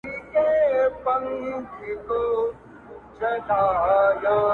تېر پر تېر، هېر پر هېر.